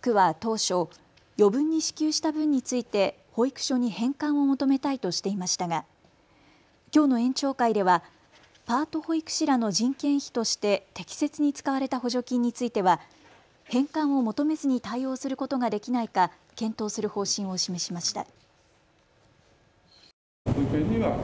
区は当初、余分に支給した分について保育所に返還を求めたいとしていましたがきょうの園長会ではパート保育士らの人件費として適切に使われた補助金については返還を求めずに対応することができないか検討する方針を示しました。